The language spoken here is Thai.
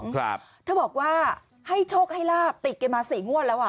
ถ้าบอกว่าให้โชคให้ลาบติดกันมา๔งวดแล้วอ่ะ